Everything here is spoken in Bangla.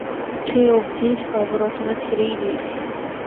সেই অবধি স্তবরচনা ছেড়েই দিয়েছি।